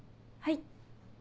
はい。